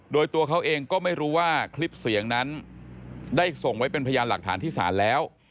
โดยตัวเขาเองก็ไม่รู้ว่าคลิปเสียงนั้นได้ส่งไว้เป็นพยานหลักฐานที่ศาลแล้ว